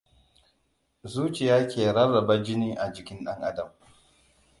Zuciya ke rarraba jini a jikin ɗan adam.